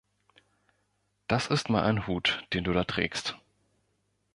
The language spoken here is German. Das ist mal ein Hut, den du da trägst.